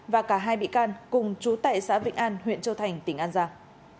và cả hai bị can cùng chú tại xã vĩnh an huyện châu thành tỉnh an giang